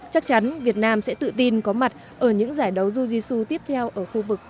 chắc chắn việt nam sẽ tự tin có mặt ở những giải đấu jiu jitsu tiếp theo ở khu vực và quốc tế